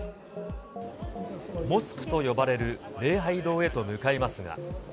モスクと呼ばれる礼拝堂へと向かいますが。